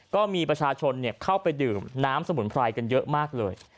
ก็มีประชาชนเข้าไปดื่มน้ำสมุนไพรกันเยอะมากเลย